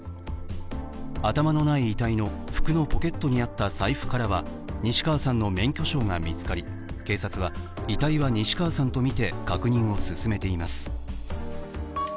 頭のない遺体の服のポケットにあった財布からは西川さんの免許証が見つかり警察は遺体は西川さんとみて確認を進めています。